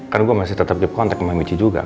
kan gue masih tetap keep contact sama michi juga kan